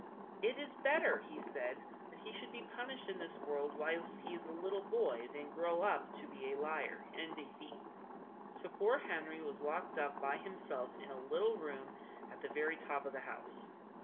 "It is better," he said, "that he should be punished in this world whilst he is a little boy than grow up to be a liar and a thief." So poor Henry was locked up by himself in a little room at the very top of the house.